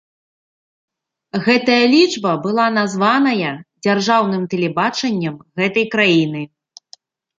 Гэтая лічба была названая дзяржаўным тэлебачаннем гэтай краіны.